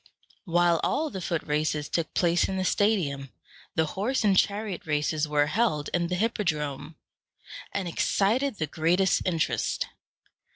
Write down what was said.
While all the foot races took place in the stadium, the horse and chariot races were held in the hippodrome, and excited the greatest interest.